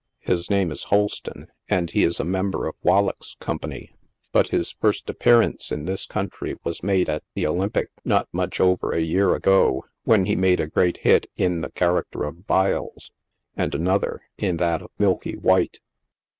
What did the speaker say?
His name is Holston, and he is a member of Wallack's company ; but his first appearance in this country was made at the Olympic, not much over a year ago, when he made a great hit in the character of Byhs, and another in that of Milky White.